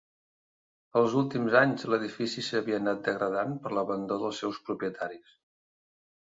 Els últims anys l'edifici s'havia anat degradant per l'abandó dels seus propietaris.